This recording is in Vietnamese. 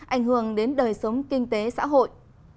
ảnh hưởng đến đời sống kinh tế xã hội